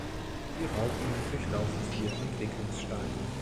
Die Raupen durchlaufen vier Entwicklungsstadien.